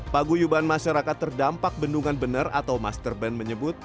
paguyuban masyarakat terdampak bendungan bener atau masterband menyebut